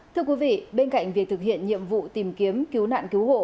thưa quý vị bên cạnh việc thực hiện nhiệm vụ tìm kiếm cứu nạn cứu hộ